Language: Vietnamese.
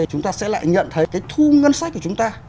chúng ta sẽ lại nhận thấy cái thu ngân sách của chúng ta